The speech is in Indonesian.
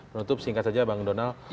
penutup singkat saja bang donald